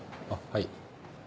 はい。